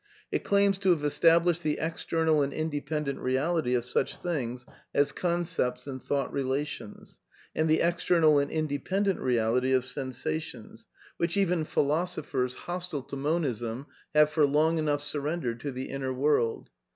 It claims to have established the external and independent reality of such things as con cepts and " thought relations," and the external and inde pendent reality of sensations, which even philosophers 164 A DEFENCE OF IDEALISM hostile to Monigm have for long eooog^ snrTendeied to the inner world.